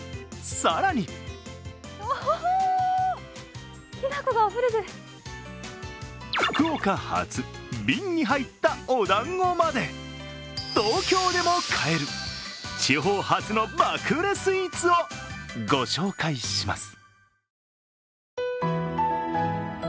更に福岡発、瓶に入ったおだんごまで東京でも買える、地方発の爆売れスイーツをご紹介します。